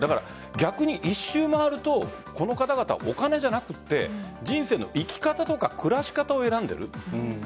逆に一周回るとこの方々、お金じゃなくて人生の生き方とか暮らし方を選んでいる。